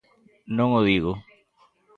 Non o digo.